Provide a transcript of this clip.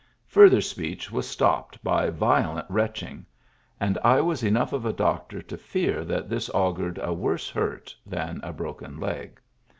Further speech was stopped by violent retching, and I was enough of a doctor to fear that this augured a worse hurt than a broken leg.